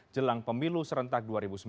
jelang pemilu serentak dua ribu sembilan belas